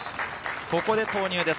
ここで投入です。